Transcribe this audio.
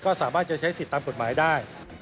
ก็สามารถจะใช้สิทธิ์ตามกฎหมายได้